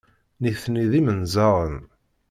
Nitni d imenzaɣen.